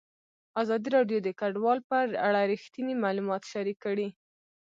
ازادي راډیو د کډوال په اړه رښتیني معلومات شریک کړي.